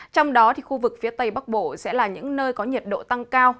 trong đó khu vực phía tây bắc bộ sẽ là những nơi có nhiệt độ tăng cao